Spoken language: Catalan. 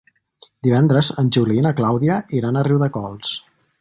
Divendres en Juli i na Clàudia iran a Riudecols.